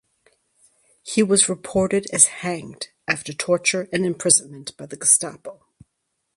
He was reported as hanged after torture and imprisonment by the Gestapo.